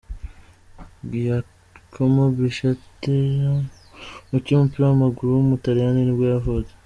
Giacomo Brichetto, umukinnyi w’umupira w’amaguru w’umutaliyani nibwo yavutse.